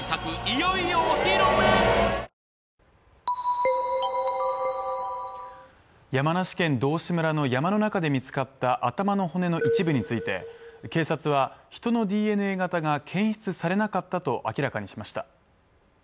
いよいよお披露目山梨県道志村の山の中で見つかった頭の骨の一部について、警察はヒトのＤＮＡ型が検出されなかったと明らかにしました。